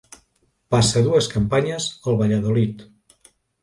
Passa dues campanyes al Valladolid.